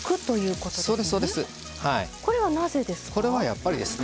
これはなぜですか？